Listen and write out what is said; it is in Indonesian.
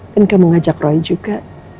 dan kamu ngajak roy juga